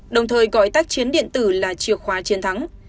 đồng thời gọi tác chiến điện tử là chìa khóa chiến thắng